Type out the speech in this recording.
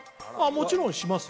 もちろんします